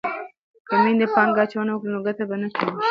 که میندې پانګه اچونه وکړي نو ګټه به نه کمیږي.